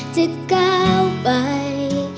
จะก้าวไป